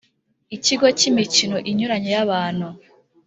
Ikigo k’imikino inyuranye y’abantu